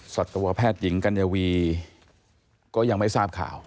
สัตวแพทย์หญิงกัญญาวีก็ยังไม่ทราบข่าว